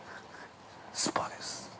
◆スパです。